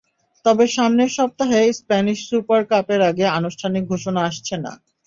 তবে সামনের সপ্তাহে স্প্যানিশ সুপার কাপের আগে আনুষ্ঠানিক ঘোষণা আসছে না।